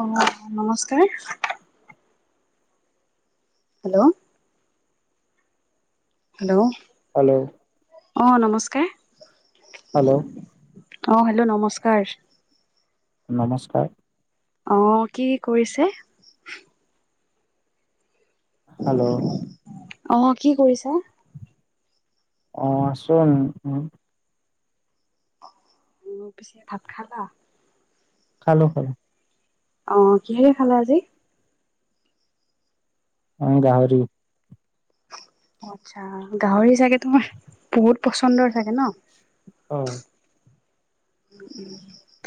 অ' নমস্কাৰ। Hello. Hello. Hello অ', নমস্কাৰ হেল্ল অ হেল্ল নমস্কাৰ নমস্কাৰ অ কি কি কৰিছে? হেল্ল অ', কি কৰিছা অ আছো এনেই তুমি উম, পিছে ভাত খালা? খালো খালো। অ কিহেৰে খালা আজি? উম গাহৰি। আচ্ছা গাহৰি চাগে তোমাৰ বহুত পচন্দৰ চাগে ন অ উম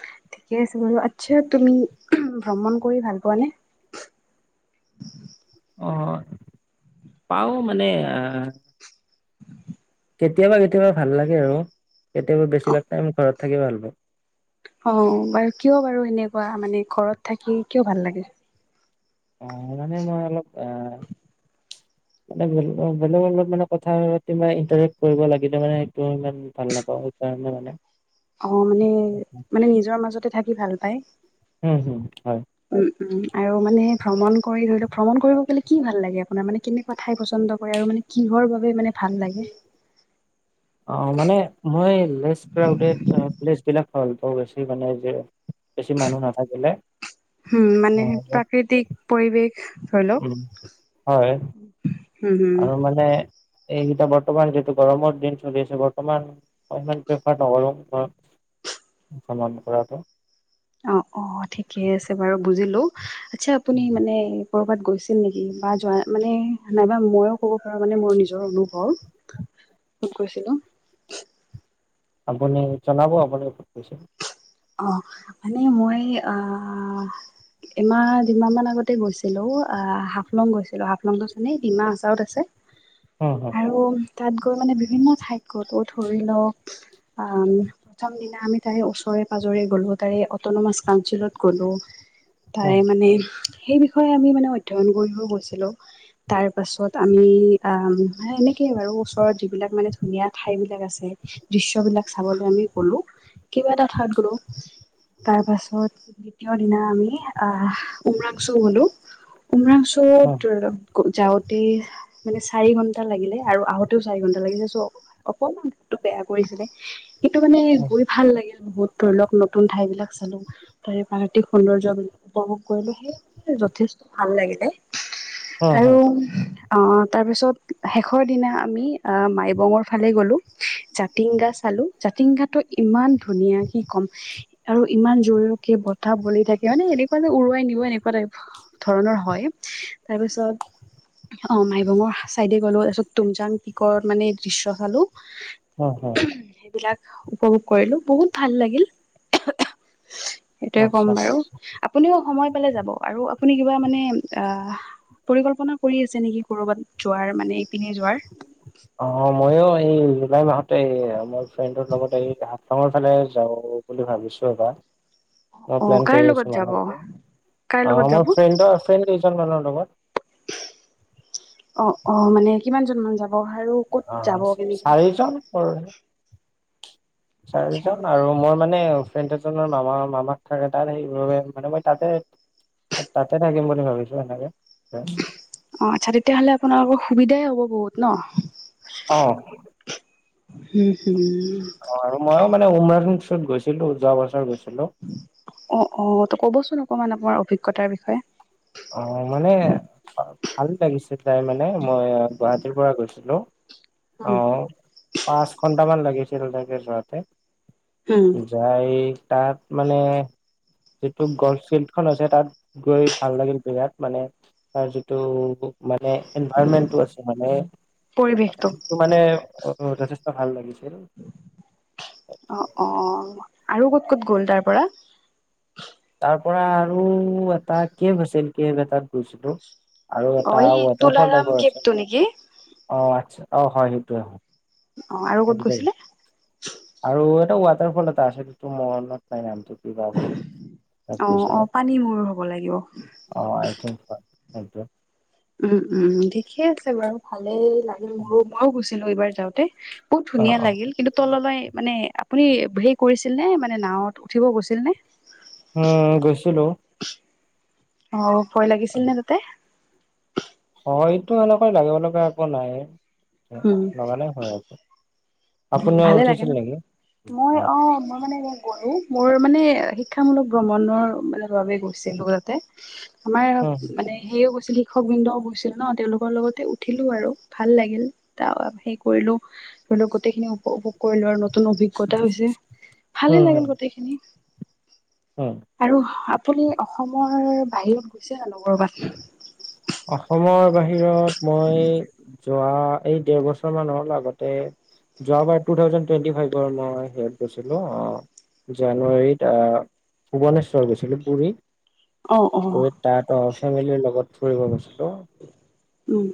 ঠিকে আছে বাৰু আচ্ছা তুমি ভ্ৰমণ কৰি ভাল পোৱা নে অ পাও মানে কেতিয়াবা কেতিয়াবা ভাল লাগে আৰু কেতিয়াবা বেছিভাগ টাইম ঘৰত থাকি ভাল পাও অ বাৰু কিয় বাৰু সেনেকোৱা মানে ঘৰত থাকি কিয় ভাল লাগে অ মানে মই অলপ অ [unintelligible] মানে বেলেগৰ লগত মানে কথা পাতি ইণ্টাৰেক্ট কৰিব লাগে তামানে এইটো ইমান ভাল নাপাও সেইকাৰণে মানে অ মানে মানে নিজৰ মাজতে থাকি ভাল পায় উম হম হয় উম উম আৰু মানে ভ্ৰমণ কৰি ধৰি লওক ভ্ৰমণ কৰিব গলে কি ভাল লাগে আপোনাৰ মানে কেনে ঠাই পচন্দ কৰে আৰু মানে কিহৰ বাবে মানে ভাল লাগে অ মানে মই লেছকাউতে অ ভিলেজ বিলাক ভাল পাও বেছি মানে যে বেছি মানুহ নাথাকিলে উম, মানে অ বাত প্ৰাকৃতিক পৰিৱেশ ধৰি লওক। হয়। উম, হুম, আৰু মানে, এইকেইটা বৰ্তমান যিহেটো গৰমৰ দিন চলি আছে, বৰ্তমান অনলাইন প্ৰেফাৰ নকৰো, [unintelligible] অ', অ', ঠিকে আছে বাৰু বুজিলো, আচ্ছা আপুনি মানে ক'ৰবাত গৈছিল নেকি, বা যোৱা মানে, নাইবা মইো ক'ব পাৰো মানে মোৰ নিজৰ অনুভৱ। ক'ত গৈছিলো। আপুনি জনাব আপুনি, ক'ত গৈছে। অ', মানে মই আ এমাহ দুমাহ মান আগতে গৈছিলো, আ হাফলং গৈছিলো, হাফলংটো চানে ডিমা হাছও ত আছে। [inaudible] অ' অ'। আৰু তাত গৈ মানে বিভিন্ন ঠাইত গ'লো ধৰি লওক আ, প্ৰথম দিনা আমি তাৰে ওচৰে পাজৰে গ'লো, তাৰে অটনমাচ কাউনচিলত গ'লো, তাৰে হম মানে সেই বিষয়ে আমি মানে অধ্যয়ন কৰিও গৈছিলো। তাৰপাছত আমি এনেকেই আৰু, ওচৰত যিবিলাক মানে ধুনীয়া ঠাইবিলাক আছে। দৃশ্যবিলাক চাবলৈ আমি গলো, কিবা এটা হঠৎ গলো, তাৰ পাছত, দ্বিতীয় দিনা আমি আহ উমৰাংচু গ'লো, হম উমৰাংচত যাওঁতে মানে চাৰি ঘন্টা লাগিলে, আৰু আহোতেওঁ চাৰি ঘন্টা লাগিছে চ' অকনমান বতৰটো বেয়া কৰিছিলে, কিন্ত মানে হম গৈ ভাল লাগিল। বহুত ধৰি লওঁক নতুন ঠাই বিলাক চালো। তাৰে প্ৰাকৃতিক সৌন্দৰ্যবিলাক উপভোগ কৰিলো, সেইয়ে যথেষ্ট ভাল লাগিলে। হম আৰু হম অ', তাৰপিছত শেষৰ দিনা আমি মাইবঙৰ ফালে গ'লোঁ, জাতিংগা চালোঁ। জাতিংগাটো ইমান ধুনীয়া কি ক'ম। আৰু ইমান জোৰকে বতাহ বলি থাকে মানে, এনেকুৱা যে উৰুৱাই নিও এনেকুৱা টাইপ ধৰণৰ হয়, তাৰপিছত অ', মাইবঙৰ ছাইডে গ'লোঁ, তাৰপিছত তুমজাং পিকৰত মানে দৃশ্য চালোঁ। অ' অ'। সেইবিলাক উপভোগ কৰিলো, বহুত ভাল লাগিল। সেইটোয়ে আচ্ছা কম বাৰু, আপুনিও সময় পালে যাব, আৰু আপুনি কিবা মানে আহ পৰিকল্পনা কৰি আছে নেকি কৰবাত যোৱাৰ, মানে ইপিনে যোৱাৰ? অ', মইও এই জুলাই মাহতে মোৰ ফ্ৰেডৰ লগত এই [unintelligible] গাওঁৰ ফালে যাওঁ। বুলি ভাবিছোঁ এবাৰ অ', প্লেন কাৰ কৰি লগত আছোঁ যাব মানুহবোৰে, কাৰ লগত মোৰ যাব ফ্ৰণ্ডৰ ফ্ৰেণ্ড কেইজন মানৰ লগত। অ', অ' মানে কিমানজন মান যাব, আৰু ক'ত যাব মেনলি? কাম কৰ। আচ্ছা চাৰিজন আৰু মই মানে ফ্ৰেনটেচনৰ মামা মামাক থাকে, তাত সেইাবাবে মানে মই তাতে তাতে থাকিম বুলি ভাবিছোঁ এনেকে। অ', আচ্ছা তেতিয়াহ'লে আপোনালোকৰ সুবিধাই হ'ব বহুত ন? অ'। অ', হুম হুম আৰু মইও মানে উমৰাংছুত গৈছিলোঁ, যোৱা বছৰ গৈছিলোঁ। অ', অ', ত ক'বচোন অকমান আপোনাৰ অভিজ্ঞতাৰ বিষয়ে অ', মানে ভাল লাগিছিল তাই মানে মই গুৱাহাটীৰ পৰা গৈছিলোঁ। উম আহ পাঁচ ঘন্টামান লাগিছিল তাতে যোৱাতে। হুম। যাই তাত মানে যিটো গল্ফ ফিল্ড খন আছে তাত গৈ ভাল লাগিল বিৰাট মানে তাৰ যিটো মানে এনভাইৰমেন্টটো আছে মানে পৰিৱেশটো মানে অ', যথেষ্ট ভাল লাগিছিল। অ অ', আৰু ক'ত ক'ত গ'ল তাৰপৰা। তাৰ পৰা আৰু এটা কেব আছিল কেব এটাত গৈছিলোঁ। আৰু অ এটা এই ৱাডদ্ৰবৰ তুলাৰাম টাইপৰ অ', কেবটো নেকি আছা অ', হয় সেইটোয়ে হয়। অ আৰু ক'ত আকি দে গৈছিলে কৈছোঁ। আৰু এটা ৱাটাৰফল এটা আছে তো মনত নাই নামটো কি? অ', অ', পানী মৰ হ'ব লাগিব। অ', এইটো পানী টো উম, উম ঠিকেইে আছে বাৰু ভালেই লাগিল মোৰ‌ মইওঁ গৈছিলোঁ এইবাৰ যাওঁতে বহুত অ ধুনীয়া অ। লাগিল কিন্তু তললৈ মানে আপুনি হেৰি কৰিছিলনে মানে নাৱত উঠিব গৈছিলনে? উম গৈছিলোঁ। অ', ভয় লাগিছিল নে তাতে ভয়তো এনেকৈ লাগিব লগা একো নাই লগা নাই ভ‌ই [unintelligible] উম ভালে, লাগে ন নেকি? মই অ', মই মানে গলোঁ মোৰ মানে শিক্ষামূলক ভ্ৰমণৰ মানে বাবে গৈছিলোঁ যাতে আমাৰ একো উম মানে হেৰিও কৈছিল শিক্ষক বিন্দও গৈছিল ন তেওঁলোকৰ লগতে উঠিলোঁ আৰু ভাল লাগিল তাৰ হেৰি কৰিলোঁ। [unintelligible] গোটেইখিনি উপভোগ কৰিলোঁ আৰু নতুন অভিজ্ঞতা হৈছে ভালে লাগিল গোটেইখিনি উম। আৰু আপুনি অসমৰ বাহিৰত গৈছে নে নাই ক'ৰবাত। অসমৰ বাহিৰত মই যোৱা এই দেৰ বছৰ মান হ'ল আগতে যোৱাবাৰ টু থাউজেণ্ড টুৱেণ্টি ফাইভত মই হেৰিত গৈছিলোঁ অ'। জানুৱাৰীত আহ ভূৱনেশ্বৰ গৈছিলোঁ পুুৰী অ', অ'। তাহাতো ফেমিলিৰ লগত ফুৰিব গৈছিলোঁ। উম।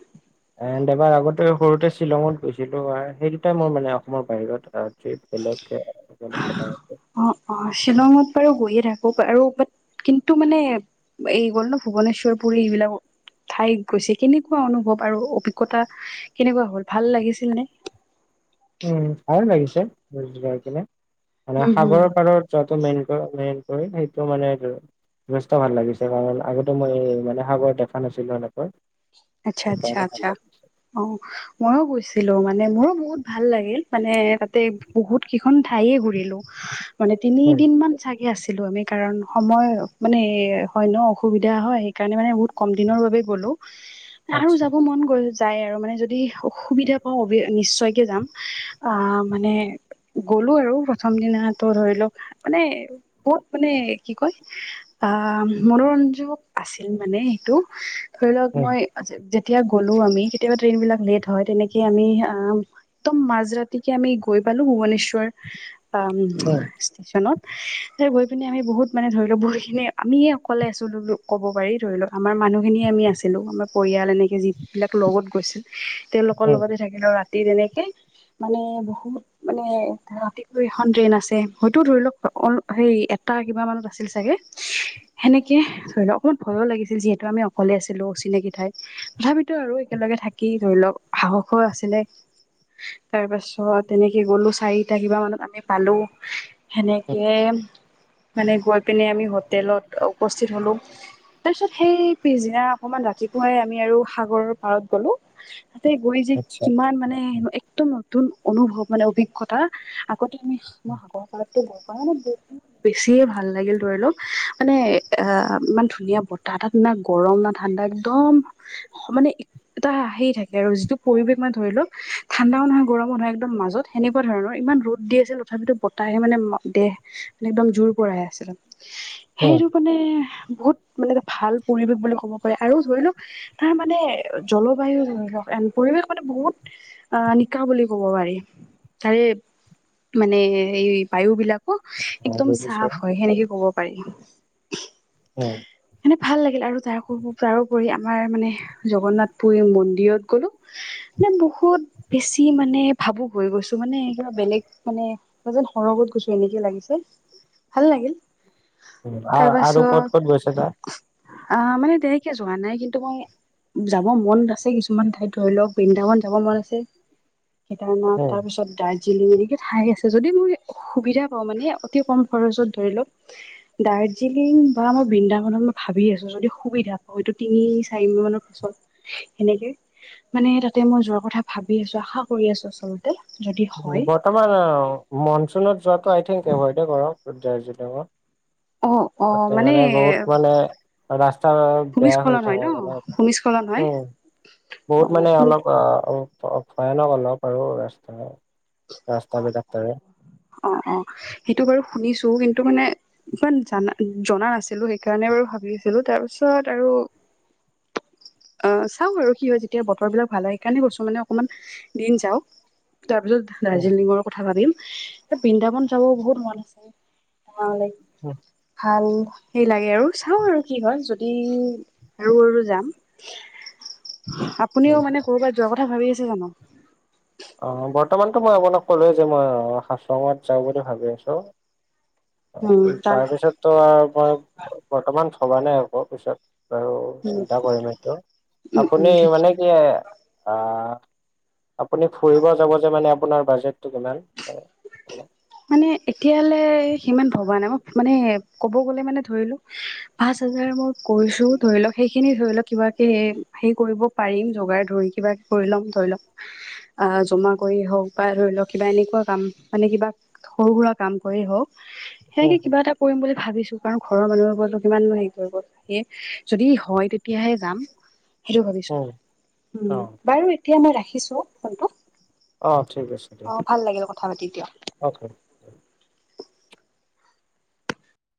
এণ্ড এবাৰ আগতে সৰুতে শ্বিলঙত গৈছিলোঁ আৰু, সেই দুটাই মোৰ মানে অসমৰ বাহিৰত ট্ৰিপ বেলেগকে, বেলেগকে নাই অ', অ', শ্বিলঙত বাৰু গৈয়ে থাকো, আৰু ব কিন্তু মানে এই গল নো ভূৱনেশ্বৰ পুৰী এইবিলাকো ঠাইত গৈছে কেনেকুৱা অনুভৱ আৰু অভিজ্ঞতা কেনেকুৱা হ'ল? ভাল লাগিছিল নে? উম', ভাল লাগিছে, [unintelligible] মানে উম হুম সাগৰৰ পাৰত [unintelligible] সেইটো মানে যথেষ্ট ভাল লাগিছে, কাৰণ আগতে মই মানে সাগৰ দেখা নাছিলোঁ এনেকৈ সেইকাৰণে ভাল আটচ্ছা-আটচ্ছা-আটচ্ছা, লাগিছে। অ'। মইও গৈছিলো মানে মোৰো বহুত ভাল লাগিল, মানে তাতে বহুত কেইখন ঠাইয়ে ঘুৰিলো মানে উম, তিনিদিন মান চাগে আছিলো আমি, কাৰণ সময় মানে হয় ন, অসুবিধা হয়, সেইকাৰণে মানে বহুত কম দিনৰ বাবে গলোঁ আৰু আচ্ছা, যাব মন গল যাই আৰু মানে যদি সু সুবিধা পাওঁ অবি নিশ্চয়কে যাম আহ মানে গ'লো আৰু প্ৰথম দিনা, তোৰ ধৰি ল, মানে বহুত মানে, কি কয়? আ', মনোৰঞ্জক আছিল মানে সেইটো, ধৰি লওক উম, মই যে যেতিয়া গ'লো আমি, কেতিয়াবা ট্ৰেইন বিলাক লেট হয়, তেনেকেই আমি আহ তো মাজ ৰাতিকে আমি গৈ পালো ভূৱনেশ্বৰ, আম উম' ষ্টেচনত গৈ পিনে আমি বহুত মানে ধৰি লও বহুতখিনি, আমিয়ে অকলে আছোঁ লুলো ক'ব পাৰি ধৰি লক আমাৰ মানুহখিনিয়ে আমি আছিলোঁ, আমাৰ পৰিয়াল এনেকে যিবিলাক লগত গৈছিল, তেওঁলোকৰ উম, লগতে থাক কিলো ৰাতি তেনেকে, মানে বহুত মানে ধৰ ৰাতি এখন ট্ৰেইন আছে, হয়তো ধৰি লওক অ, হেৰি এটা কিবা মানত আছিল চাগে সেনেকে ধৰি লওক, অকমান ভয়ো লাগিছিল যিহেতু আমি অকলে আছিলো, অচিনাকি ঠাই তথাপিতো আৰু একেলগে থাকি ধৰি লওক সাহসো আছিলে তাৰ পাছত এনেকে গ'লো, চাৰিটা কিবা মানত আমি পালো উম, সেনেকে মানে গৈ পিনে আমি হোটেলত উপস্থিত হ'লোঁ। তাৰপিছত সেই, পিছদিনা অকণমান ৰাতি পুৱাই আমি আৰু সাগৰৰ পাৰত গ'লো, তাতে গৈ যে আচ্ছা, কিমান মানে একদম নতুন অনুভৱ মানে অভিজ্ঞতা, আগতে আমি মই সাগৰ পাৰতটো [unintelligible] বেছিয়ে ভাল লাগিল ধৰি লওক, মানে আ ইমান ধুনীয়া বতাহ, তাত না গৰম না ঠাণ্ডা একদম, সমানে এটা হেই থাকে আৰু যিটো পৰিৱেশ মানে ধৰি লওক, ঠাণ্ডাও নহয়, গৰমো নহয়, একদম মাজত সেনেকুৱা ধৰণৰ, ইমান ৰ'দ দি আছিল তথাপিতো বতাহে মানে ম দেহ মানে একদম জোৰ পৰাই আছিলে উম। সেইটো কাৰনে বহুত মানে এটা ভাল পৰিৱেশ বুলি ক'ব পাৰে আৰু ধৰি লওক, তাৰ মানে জলবায়ু এন পৰিৱেশ মানে বহুত অ' নিকা বুলি ক'ব পাৰি, তাৰে মানে এই বায়ু বিলাক কু অ' একদম বুজিছো, চাফ হয়, সেনেকে ক'ব পাৰি উম' মানে ভাল লাগিল, আৰু তাৰ তাৰ উপৰি আমাৰ মানে জগন্নাথপুৰিও মন্দিৰত গ'লোঁ। মানে বহুত বেছি মানে ভাবোক হৈ গৈছো মানে, কিবা বেলেগ মানে মই যেন সৰগত গৈছো এনেকে লাগিছে, ভাল লাগিল। ভা আৰু ক'ত ক'ত গৈছিলা? আ, মানে তেনেকে যোৱা নাই কিন্তু মই যাব মন আছে কিছুমান ঠাইত ধৰি লওক, বৃন্দাবন যাব মন আছে। কেদাৰনাথদ উম, তাৰ পিছত দাইৰ জিলিং ঠাই আছে যদি মই সুবিধা পাওঁ মানে অতি কম খৰচত ধৰি লওক দাৰ্জিলিং বা মই বৃন্দাবনত মই ভাবি আছো যদি সুবিধা হয়টো তিনি চাৰিমাহ মানৰ পিছত সেনেকে মানে তাতে মই যোৱাৰ কথা ভাবি আছো আশা কৰি আছো আচল বৰ্তমান আ মনচুনত যোৱাটো আই থিংক এভইড কৰক দাৰ্জিলিঙত অ অ তাতে মানে বহুত মানে ৰাস্তা বেয়া হৈ ভূমিস্খলন হয় ন থাকে মানে ভূমিস্খলন হয় উম। অ বহুত মানে শুনি অলপ আ ভয়ানক অলপ আৰু ৰাস্তা। ৰাস্তা বিলাক তাৰে। অ অ সেইটো বাৰু শুনিছো কিন্তু মানে ইমান জানা জনা নাছিলো সেইকাৰণে বাৰু ভাবিছিলো তাৰপিছত আৰু আ চাওঁ আৰু কি হয় যেতিয়া বতৰবিলাক ভাল হয় সেইকাৰণে কৈছোঁ মানে অকণমান দিন যাওঁক। তাৰ পিছত দাৰ্জিলিঙৰ কথা ভাৱিম। এ বৃন্দাবন যাব বহুত মন আছে [inaudible] সেই লাগে আৰু চাওঁ আৰু কি হয়, যদি [unintelligible] যাম। আপুনিও মানে ক'ৰবাত যোৱা কথা ভাবি আছে জানো? অ বৰ্তমানতো মই আপোনাক ক'লোৱেই যে মই হাছঙত যাওঁ বুলি ভাবি আছোঁ। তাৰ পিছততো মই বৰ্তমান থবা নাই আকৌ পিছত বাৰু উম চিন্তা কৰিম এইটো উম উম আপুনি ঠিকে মানে কি আ আপুনি ফুৰিব যাব যে মানে আপোনাৰ বাজেটো কিমান? মানে এতিয়ালৈ সিমান ভবা নাই মই মানে ক'ব গ'লে মানে ধৰিলো পাঁচ হাজাৰ মই কৰিছো ধৰি লওক সেইখিনি ধৰি লওক কিবাকে হেৰি কৰিব পাৰিম। জোগাৰ ধৰি কিবা কৰি ল'ম ধৰি লওক আহ জমা কৰি হওক বা ধৰি লওক কিবা এনেকোৱা কাম মানে কিবা সৰু সুৰা কাম কৰি হওক উম, সেনেকে কিবা এটা কৰিম বুলি ভাবিছো কাৰণ ঘৰৰ মানুহৰ ওপৰতো কিমান নো হেৰি কৰিব। সেয়ে যদি হয় তেতিয়াহে যাম। সেইটো ভাবিছোঁ। উম, উম অ। বাৰু এতিয়া মই ৰাখিছোঁ ফোনটো। অ ঠিক আছে। অ দিয়ক ভাল লাগিল কথা পাতি দিয়ক। [unintelligible]